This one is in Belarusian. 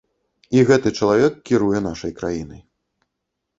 І гэты чалавек кіруе нашай краінай.